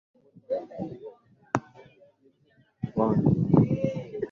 Specific instances are given below.